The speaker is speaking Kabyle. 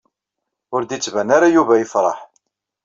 Ur d-yettban ara Yuba yefṛeḥ.